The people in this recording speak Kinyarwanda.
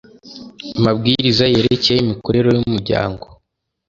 amabwiriza yerekeye imikorere y umuryango